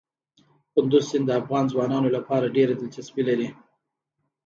کندز سیند د افغان ځوانانو لپاره ډېره دلچسپي لري.